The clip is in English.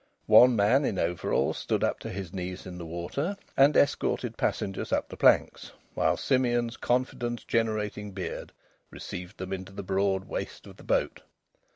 One man, in overalls, stood up to his knees in the water and escorted passengers up the planks, while Simeon's confidence generating beard received them into the broad waist of the boat.